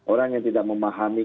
orang yang tidak memahami